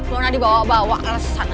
mona dibawa bawa alasannya